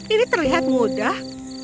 ini terlihat mudah